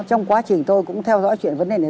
trong quá trình tôi cũng theo dõi chuyện vấn đề này